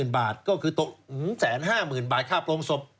๑๕๐๐๐๐บาทก็คือตก๑๕๐๐๐๐บาทคราบลงสบ